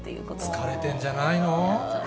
疲れてるんじゃないの？